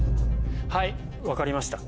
はい分かりました。